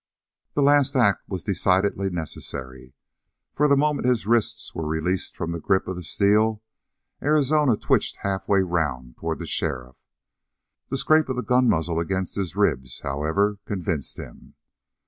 The last act was decidedly necessary, for the moment his wrists were released from the grip of the steel, Arizona twitched halfway round toward the sheriff. The scrape of the gunmuzzle against his ribs, however, convinced him.